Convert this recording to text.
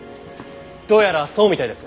どうやらそうみたいです。